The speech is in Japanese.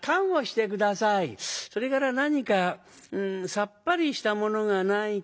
それから何かさっぱりしたものがないかなあ。